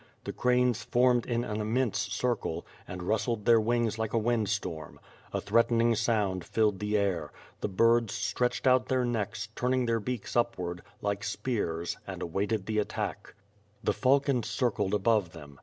The cranes formed in an immense circle, and rustled their wings like a wind storm. A threatening sound filled the air. The birds stretched out their necks, turning their beaks upward, like spears and awaited the attack. The falcon circled above them.